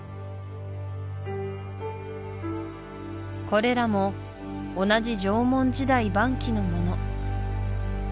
これらも同じ縄文時代晩期のもの